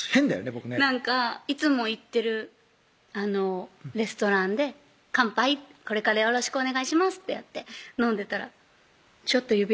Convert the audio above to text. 僕ねいつも行ってるレストランで「乾杯これからよろしくお願いします」ってやって飲んでたら「ちょっと指輪見せて」